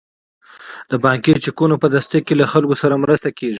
د بانکي چکونو په تصدیق کې له خلکو سره مرسته کیږي.